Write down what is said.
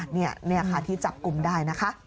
นี่ค่ะที่จับกลุ่มได้นะคะ